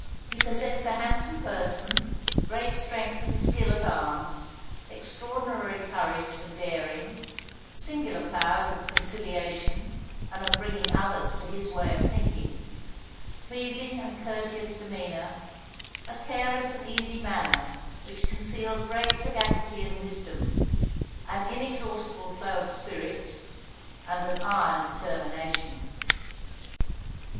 He possessed a handsome person, great strength and skill at arms, extraordinary courage and daring, singular powers of conciliation and of bringing others to his way of thinking, pleasing and courteous demeanor, a careless and easy manner which concealed great sagacity and wisdom, an inexhaustible flow of spirits, and an iron determination.